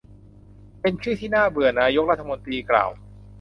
เป็นชื่อที่น่าเบื่อ นายกรัฐมนตรีกล่าว